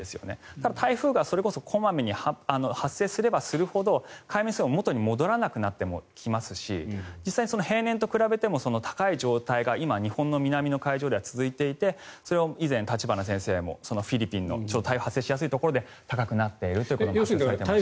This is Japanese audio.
ただ、台風がそれこそ小まめに発生すればするほど海面水温は元に戻らなくなってきますし実際に平年と比べても高い状態が今、日本の南の海上で続いていて、それを以前立花先生もフィリピンの台風が発生しやすいところで高くなっているということをお話しされていましたが。